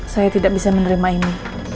saya tidak bisa menerima ini